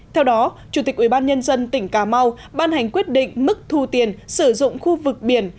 theo đó chủ tịch ubnd tỉnh cà mau ban hành quyết định mức thu tiền sử dụng khu vực biển